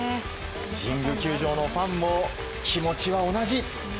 神宮球場のファンも気持ちは同じ。